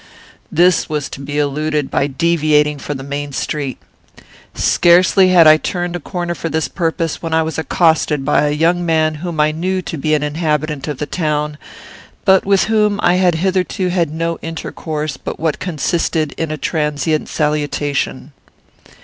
This was to be eluded by deviating from the main street. "Scarcely had I turned a corner for this purpose when I was accosted by a young man whom I knew to be an inhabitant of the town, but with whom I had hitherto had no intercourse but what consisted in a transient salutation.